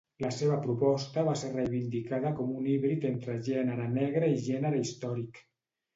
La seva proposta va ser reivindicada com un híbrid entre gènere negre i gènere històric.